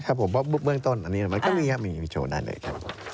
ครับผมเบื้องต้นมันก็มีครับมีโชว์ได้เลยครับ